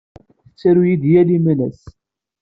Tettaru-iyi-d yal imalas.